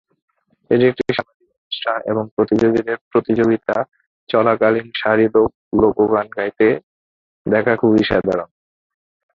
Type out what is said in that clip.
এটি একটি সামাজিক অনুষ্ঠান এবং প্রতিযোগীদের প্রতিযোগিতা চলাকালীন সারি গান, লোক গান গাইতে দেখা খুবই সাধারণ।